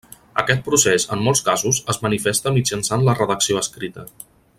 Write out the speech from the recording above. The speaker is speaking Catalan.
Aquest procés en molts casos es manifesta mitjançant la redacció escrita.